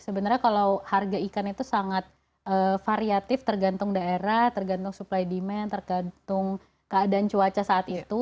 sebenarnya kalau harga ikan itu sangat variatif tergantung daerah tergantung supply demand tergantung keadaan cuaca saat itu